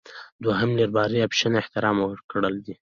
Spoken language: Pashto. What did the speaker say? دوهم لېبرالي اپشن احترام ورکړل دي.